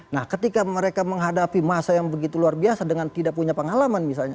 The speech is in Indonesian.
nah ketika mereka menghadapi masa yang begitu luar biasa dengan tidak punya pengalaman misalnya